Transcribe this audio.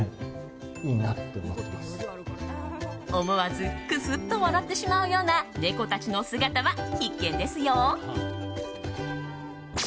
思わずくすっと笑ってしまうような猫たちの姿は必見ですよ。